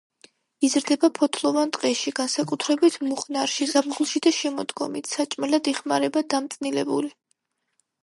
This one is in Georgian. იზრდება ფოთლოვან ტყეში, განსაკუთრებით მუხნარში, ზაფხულში და შემოდგომით, საჭმელად იხმარება დამწნილებული.